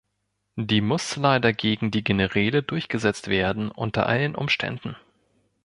Die muss leider gegen die Generäle durchgesetzt werden unter allen Umständen.